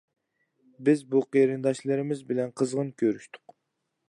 بىز بۇ قېرىنداشلىرىمىز بىلەن قىزغىن كۆرۈشتۇق.